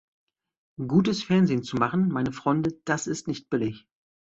Gutes Fernsehen zu machen, meine Freunde, das ist nicht billig.